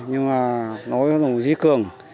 nhưng mà nói với chú cường